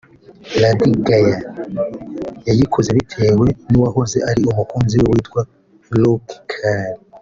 Lady Gaga yayikoze bitewe n’uwahoze ari umukunzi we witwa Luc Carl